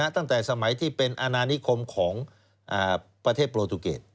ตั้งแต่สมัยที่เป็นอนานิคมของประเทศโปรตูเกต